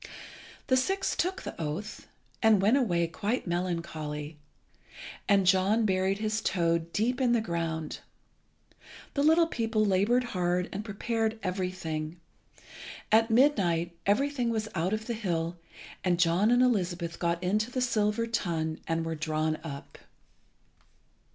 The six took the oath, and went away quite melancholy; and John buried his toad deep in the ground. The little people laboured hard, and prepared everything. At midnight everything was out of the hill; and John and Elizabeth got into the silver tun, and were drawn up.